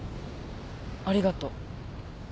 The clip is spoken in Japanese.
ありがとう。